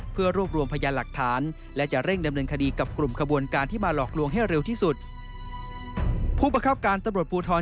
เพื่อรวมรวมพยายามหลักฐาน